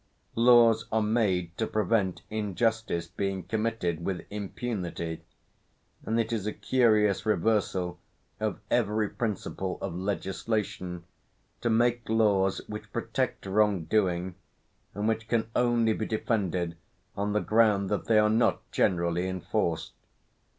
Laws are made to prevent injustice being committed with impunity, and it is a curious reversal of every principle of legislation to make laws which protect wrongdoing, and which can only be defended on the ground that they are not generally enforced.